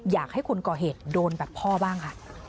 อยากให้คนก่อเหตุโดนแบบพ่อบ้างค่ะ